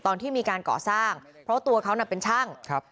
ตอนที่มีการก่อสร้างเพราะตัวเขาน่ะเป็นช่างครับ